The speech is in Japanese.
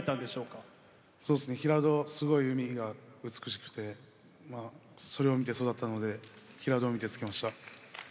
そうですね平戸すごい海が美しくてそれを見て育ったので「平戸海」って付けました。